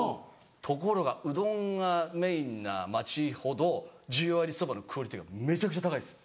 ところがうどんがメインな町ほど十割そばのクオリティーがめちゃくちゃ高いです。